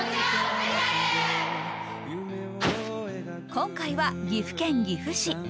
今回は岐阜県岐阜市。